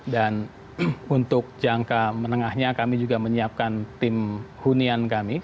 dan untuk jangka menengahnya kami juga menyiapkan tim hunian kami